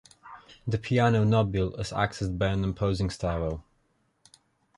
The piano nobile is accessed by an imposing stairwell.